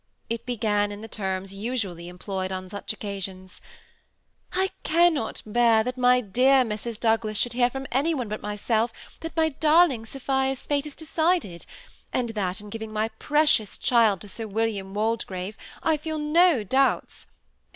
It began in the terms usually (employed on such occasions, —'^ I cannot bear that my dear Mrs. Douglas should hear from any one but myself, that my darling Sophia's fate is decided ; and that in giving my precious child to Sir William Waldegrave, I feel no doubts," &c.